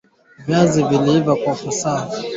viazi lishe Vinaweza kuliwa na nyama